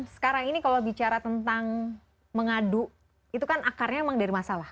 sekarang ini kalau bicara tentang mengadu itu kan akarnya emang dari masalah